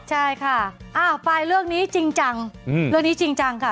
ใช่ค่ะปลายเรื่องนี้จริงจังเรื่องนี้จริงจังค่ะ